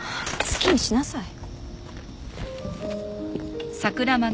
好きにしなさい。